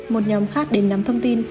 một nhóm khác đến nắm thông tin